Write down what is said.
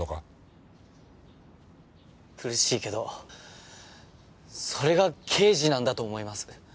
苦しいけどそれが刑事なんだと思います。